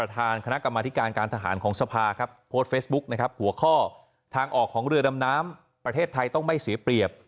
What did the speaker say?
ทางออกของเรือนำน้ำประเทศไทยต้องไม่เสียเปรียบ